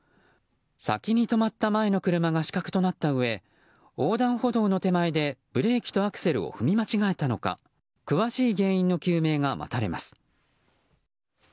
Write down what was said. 先に止まった前の車が死角となったうえ横断歩道の手前でブレーキとアクセルを踏み間違えたのか詳しい原因の究明が待たれます。